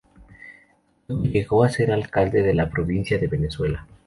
Luego llegó a ser alcalde de la Provincia de Venezuela.